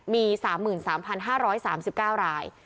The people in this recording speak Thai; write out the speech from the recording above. มี๓๓๕๓๙ราย